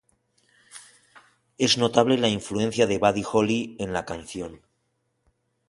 Es notable la influencia de Buddy Holly en la canción.